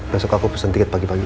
besok aku pesen tiket pagi pagi